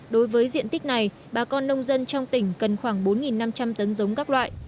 đối với diện tích này bà con nông dân trong tỉnh cần khoảng bốn năm trăm linh tấn giống các loại